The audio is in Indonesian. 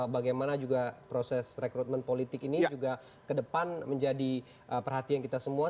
bagaimana juga proses rekrutmen politik ini juga ke depan menjadi perhatian kita semua